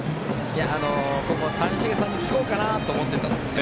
谷繁さんに聞こうかなと思っていたんです。